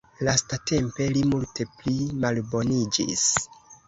Lastatempe li multe pli malboniĝis.